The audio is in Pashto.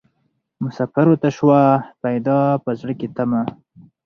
مسافر ته سوه پیدا په زړه کي تمه